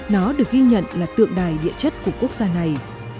nó được ghi nhận là tượng đài địa chất của quốc gia này